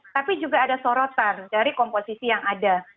tapi juga ada sorotan dari komposisi yang ada